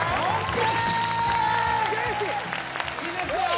いいですよ